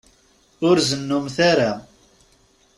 Ur zennumt ara.